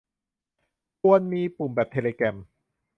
ควรมีปุ่ม แบบเทเลแกรม